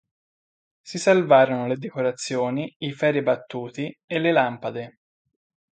Si salvarono le decorazioni, i ferri battuti e le lampade.